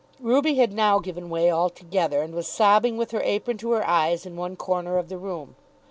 Ruby had now given way altogether, and was sobbing with her apron to her eyes in one corner of the room.